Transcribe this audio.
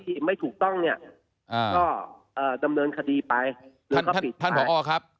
ที่ไม่ถูกต้องเนี่ยก็เอ่อดำเนินคดีไปแล้วก็ผิดท่านผอครับ